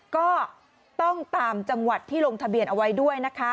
ก็ต้องตามจังหวัดที่ลงทะเบียนเอาไว้ด้วยนะคะ